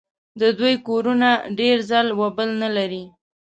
د دوی کورونه ډېر ځل و بل نه لري.